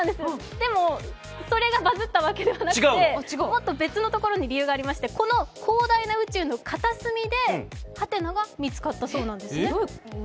でも、それがバズったわけではなくて、もっと別のところに理由がありましてこの広大な宇宙のはてにハテナが見つかったそうです。